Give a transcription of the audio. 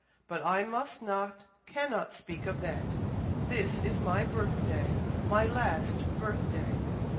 but I must not cannot speak of that . This is my birth day! my last birth day!